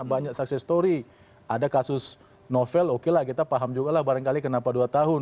banyak sukses story ada kasus novel oke lah kita paham juga lah barangkali kenapa dua tahun